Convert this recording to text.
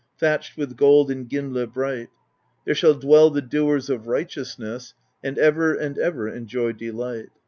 Thatched with gold in Gimle bright; There shall dwell the doers of righteousness And ever and ever enjoy delight."